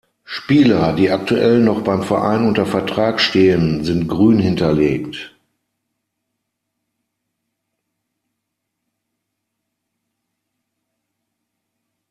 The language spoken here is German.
Spieler, die aktuell noch beim Verein unter Vertrag stehen, sind grün hinterlegt.